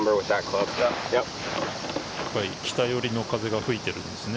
北寄りの風が吹いてるんですね。